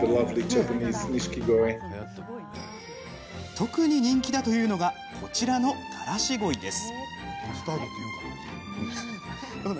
特に人気だというのがこちらのカラシゴイです。